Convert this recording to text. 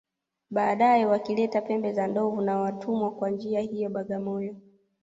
Baadae wakileta pembe za ndovu na watumwa Kwa njia hiyo Bagamoyo